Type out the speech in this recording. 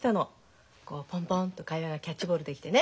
こうポンポンっと会話がキャッチボールできてね